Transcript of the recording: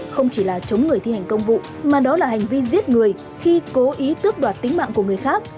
không chỉ là chống người thi hành công vụ mà đó là hành vi giết người khi cố ý tước đoạt tính mạng của người khác